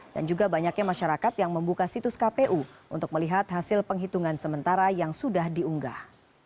dan juga banyaknya masyarakat yang membuka situs kpu untuk melihat hasil penghitungan sementara yang sudah diunggah